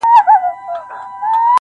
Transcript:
د پيل ورځ بيا د پرېکړې شېبه راځي ورو,